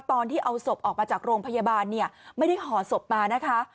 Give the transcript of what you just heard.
ตอนที่เอาศพออกมาจากโรงพยาบาลเนี่ยไม่ได้ห่อศพมานะคะ